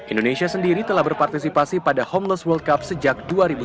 indonesia sendiri telah berpartisipasi pada homeless world cup sejak dua ribu sembilan belas